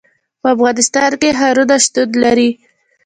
په افغانستان کې ښارونه شتون لري.